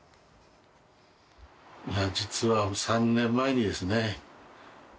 実は３年前にですね